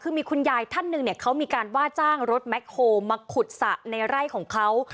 คือมีคุณยายท่านหนึ่งเนี่ยเขามีการว่าจ้างรถแคคโฮลมาขุดสระในไร่ของเขา